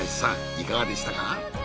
いかがでしたか？